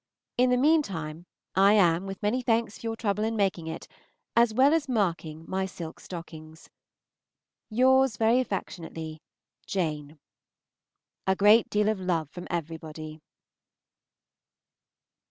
In the mean time I am, with many thanks for your trouble in making it, as well as marking my silk stockings, Yours very affectionately, JANE. A great deal of love from everybody.